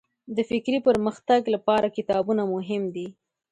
د فکري پرمختګ لپاره کتابونه مهم دي.